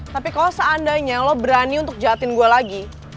tapi kalau seandainya lo berani untuk jahatin gue lagi